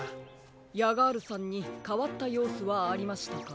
ヤガールさんにかわったようすはありましたか？